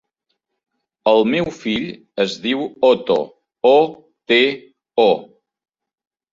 El meu fill es diu Oto: o, te, o.